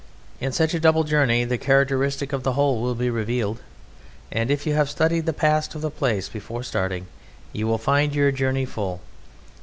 In such a double journey the character of the whole will be revealed, and if you have studied the past of the place before starting you will find your journey full.